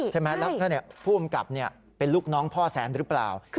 ใช่ไหมแล้วท่านผู้อำกับเป็นลูกน้องพ่อแสนหรือเปล่า